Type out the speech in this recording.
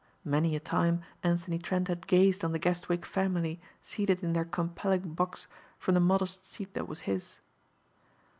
Many a time Anthony Trent had gazed on the Guestwick family seated in their compelling box from the modest seat that was his.